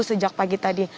sejak pagi tadi